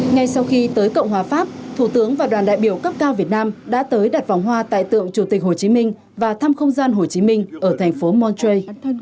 ngay sau khi tới cộng hòa pháp thủ tướng và đoàn đại biểu cấp cao việt nam đã tới đặt vòng hoa tại tượng chủ tịch hồ chí minh và thăm không gian hồ chí minh ở thành phố montre